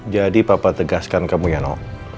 jadi papa tegaskan kamu yano